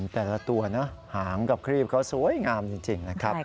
แต่ละตัวนะหางกับครีบเขาสวยงามจริงนะครับ